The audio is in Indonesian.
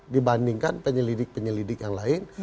dibandingkan penyelidik penyelidik yang lain